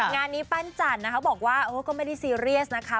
งานนี้ปั้นจันนะคะบอกว่าก็ไม่ได้ซีเรียสนะคะ